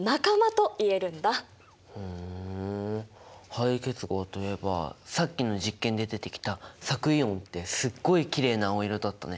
配位結合といえばさっきの実験で出てきた錯イオンってすっごいきれいな青色だったね。